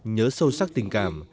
nhớ sâu sắc tình cảm